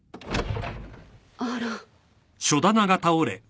あら。